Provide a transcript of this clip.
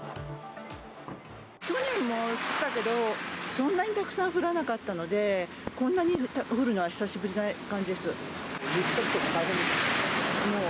去年も降ったけど、そんなにたくさん降らなかったので、こんなに降るのは久しぶりな感じです。